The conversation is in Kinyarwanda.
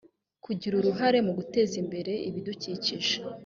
kugira uruhare mu guteza imbere ibidukikije